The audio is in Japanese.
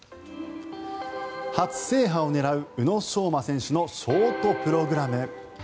初制覇を狙う宇野昌磨選手のショートプログラム。